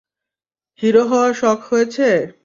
Hero হওয়ার শখ হয়েছে?